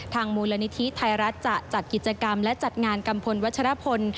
มูลนิธิไทยรัฐจะจัดกิจกรรมและจัดงานกัมพลวัชรพล